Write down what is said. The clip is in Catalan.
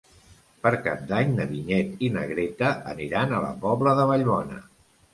Per Cap d'Any na Vinyet i na Greta aniran a la Pobla de Vallbona.